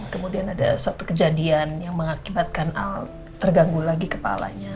kemudian ada satu kejadian yang mengakibatkan terganggu lagi kepalanya